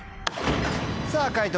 さぁ解答